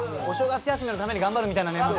お正月休みのために頑張るみたいな。